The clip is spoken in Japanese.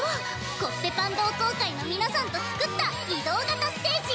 コッペパン同好会の皆さんとつくった移動型ステージ！